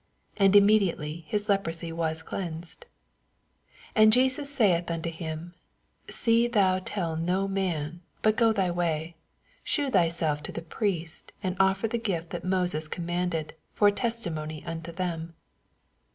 And immediately his leprosy was cleansed 4 And Jesus saith unto him, Sea thou tell no man ; but go thv way, shew thyself to the Priest, ana ower the gift that Moses commanded, for a testimony unto them.